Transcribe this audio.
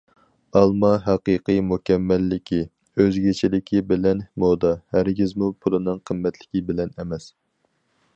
ئالما ھەقىقىي مۇكەممەللىكى ئۆزگىچىلىكى بىلەن مودا ھەرگىزمۇ پۇلىنىڭ قىممەتلىكى بىلەن ئەمەس!